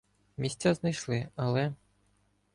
Місця знайшли, але.